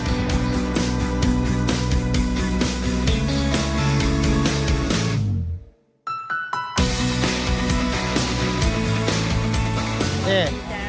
มีอะไรขายกันที่ตลาดนี้